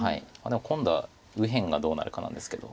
でも今度は右辺がどうなるかなんですけど。